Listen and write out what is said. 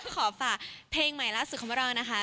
ขอฝากเพลงใหม่ล่าสุดของพวกเรานะคะ